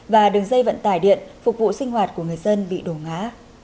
và đường dây vận tải điện phục vụ sinh hoạt của người dân bị đổ ngã